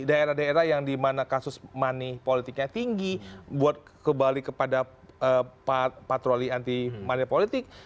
daerah daerah yang dimana kasus money politiknya tinggi buat kembali kepada patroli anti money politik